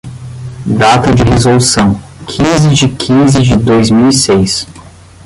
Data de resolução: quinze de quinze de dois mil e seis.